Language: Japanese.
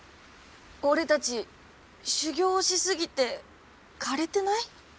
俺たち修業し過ぎて枯れてない？